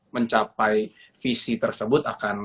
mencapai visi tersebut akan